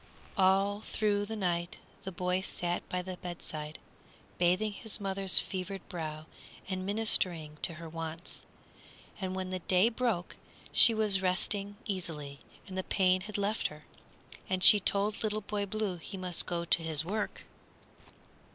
All through the night the boy sat by the bedside, bathing his mother's fevered brow and ministering to her wants. And when the day broke she was resting easily and the pain had left her, and she told Little Boy Blue he must go to his work.